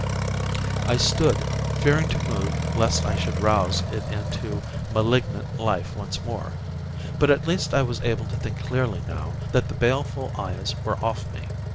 I stood, fearing to move lest I should rouse it into malignant life once more. But at least I was able to think clearly now that the baleful eyes were off me.